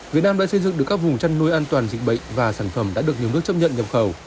việt nam đã xây dựng được các vùng chăn nuôi an toàn dịch bệnh và sản phẩm đã được nhiều nước chấp nhận nhập khẩu